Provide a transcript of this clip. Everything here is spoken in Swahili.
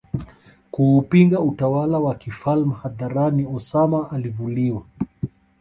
kuupinga utawala wa kifalm hadharani Osama alivuliwa